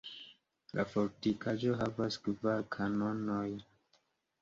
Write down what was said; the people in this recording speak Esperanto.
La fortikaĵo havas kvar kanonojn.